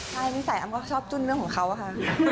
ใช่นิสัยอำก็ชอบจุ้นเรื่องของเขาอะค่ะ